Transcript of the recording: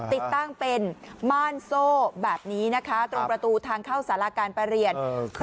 ติดตั้งเป็นม่านโซ่แบบนี้นะคะตรงประตูทางเข้าสาราการประเรียน